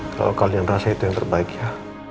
kalau kalian rasa itu yang terbaik ya